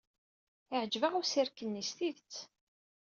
Yeɛjeb-aɣ usirk-nni s tidet.